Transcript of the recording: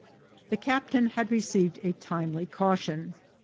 The captain had received a timely caution.